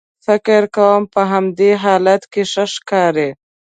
فکر کوم په همدې حالت کې ښه ښکارې.